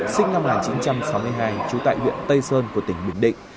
sinh năm một nghìn chín trăm sáu mươi hai chú tại viện tây sơn của tỉnh bình định